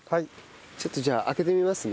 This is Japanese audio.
ちょっとじゃあ開けてみますね。